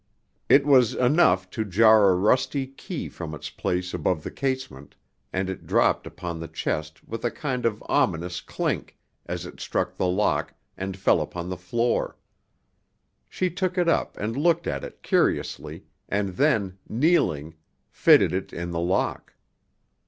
It was enough to jar a rusty key from its place above the casement, and it dropped upon the chest with a kind of ominous clink as it struck the lock, and fell upon the floor. She took it up and looked at it curiously, and then, kneeling, fitted it in the lock.